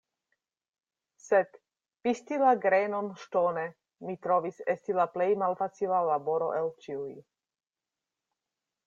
Sed, pisti la grenon ŝtone, mi trovis esti la plej malfacila laboro el ĉiuj.